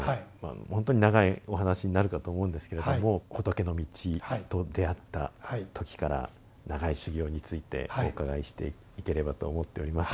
ほんとに長いお話になるかと思うんですけれども仏の道と出会った時から長い修行についてお伺いしていければと思っております。